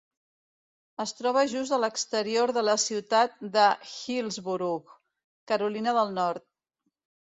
Es troba just a l'exterior de la ciutat de Hillsborough, Carolina del Nord.